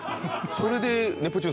それで。